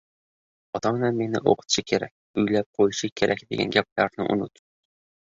Ota-onam meni oʻqitishi kerak, uylab qoʻyishi kerak degan gaplarni unut.